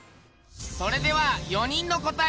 それでは４人の答え